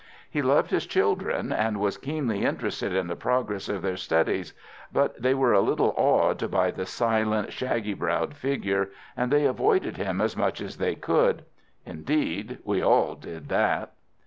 He loved his children, and was keenly interested in the progress of their studies, but they were a little awed by the silent, shaggy browed figure, and they avoided him as much as they could. Indeed, we all did that.